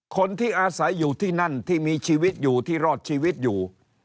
คนที่อาศัยอยู่ที่นั่นที่มีชีวิตอยู่ที่รอดชีวิตอยู่